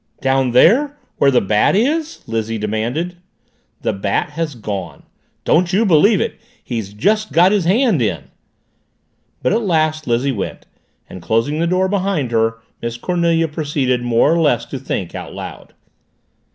"Down there, where the Bat is?" Lizzie demanded. "The Bat has gone." "Don't you believe it. He's just got his hand in!" But at last Lizzie went, and, closing the door behind her, Miss Cornelia proceeded more or less to think, out loud.